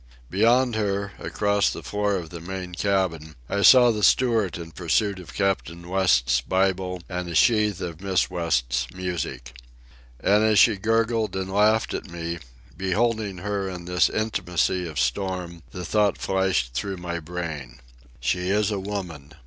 Beyond her, across the floor of the main cabin, I saw the steward in pursuit of Captain West's Bible and a sheaf of Miss West's music. And as she gurgled and laughed at me, beholding her in this intimacy of storm, the thought flashed through my brain: She is a woman.